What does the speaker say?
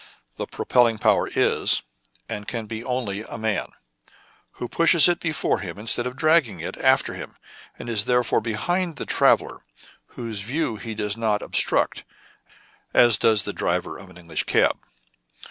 The propelling power is and can be only a man, who pushes it before him instead of dragging it after him, and is therefore behind the traveller, whose view he does not obstruct, as does the driver of an English cab.